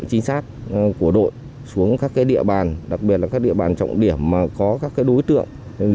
trinh sát của đội xuống các địa bàn đặc biệt là các địa bàn trọng điểm có các đối tượng